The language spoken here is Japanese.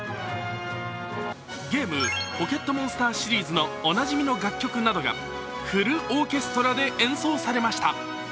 ゲーム「ポケットモンスター」シリーズのおなじみの楽曲などがフルオーケストラで演奏されました。